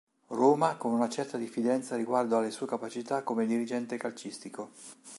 Roma con una certa diffidenza riguardo alle sue capacità come dirigente calcistico.